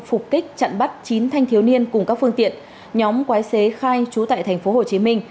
phục kích chặn bắt chín thanh thiếu niên cùng các phương tiện nhóm quái xế khai trú tại thành phố hồ chí minh